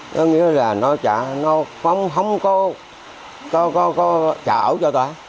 nó nghĩa là nó trả nó không có trả ổ cho ta